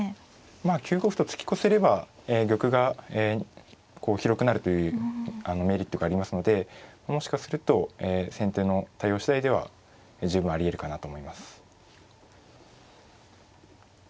まあ９五歩と突き越せれば玉が広くなるというメリットがありますのでもしかすると先手の対応次第では十分ありえるかなと思います。